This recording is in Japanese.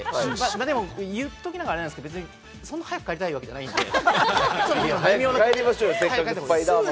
でも言っときながらあれですけれども、そんなに早く帰りたいわけじゃないんで。